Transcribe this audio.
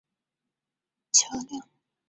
乙种车辆则不得驶入。